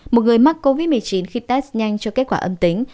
một người mắc covid một mươi chín khi test nhanh cho kết quả âm tính